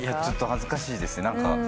ちょっと恥ずかしいですね。